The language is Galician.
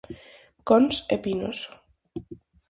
Cons e pinos.